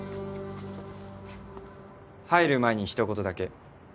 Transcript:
入る前にひと言だけ。